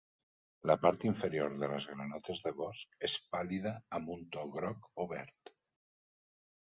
La part inferior de les granotes de bosc és pàl·lida amb un to groc o verd.